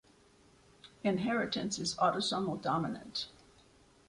Inheritance is autosomal dominant.